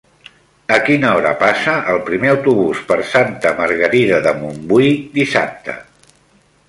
A quina hora passa el primer autobús per Santa Margarida de Montbui dissabte?